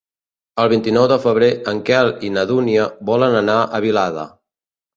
El vint-i-nou de febrer en Quel i na Dúnia volen anar a Vilada.